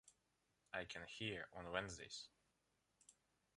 I can hear on Wednesdays.